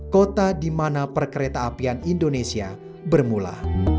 kota di mana perkereta apian indonesia bermula